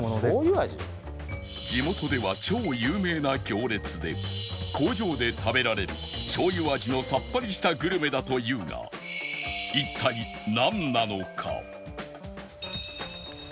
地元では超有名な行列で工場で食べられる醤油味のさっぱりしたグルメだというが一体なんなのか？